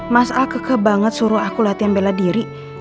mas al keke banget suruh aku latihan bela diri